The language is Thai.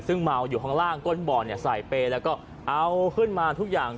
ซึ่งเมาอยู่ข้างล่างก้นบ่อเนี่ยใส่เปรย์แล้วก็เอาขึ้นมาทุกอย่าง